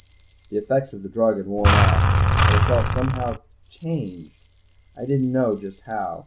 The effects of the drug had worn off, but I felt somehow changed, I didn't know just how.